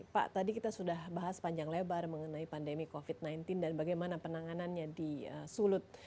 pak tadi kita sudah bahas panjang lebar mengenai pandemi covid sembilan belas dan bagaimana penanganannya di sulut